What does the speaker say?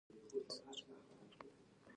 قیر چارې پیل شوې!